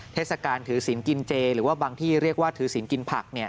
เทศกาลถือศิลป์กินเจหรือว่าบางที่เรียกว่าถือศีลกินผัก